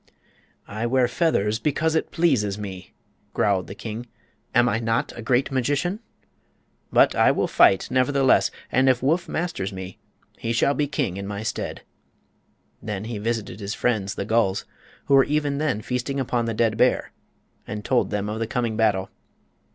"I wear feathers because it pleases me," growled the king. "Am I not a great magician? But I will fight, nevertheless, and if Woof masters me he shall be king in my stead." Then he visited his friends, the gulls, who were even then feasting upon the dead bear, and told them of the coming battle.